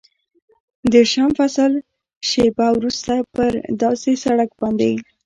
دېرشم فصل، شېبه وروسته پر یو داسې سړک باندې.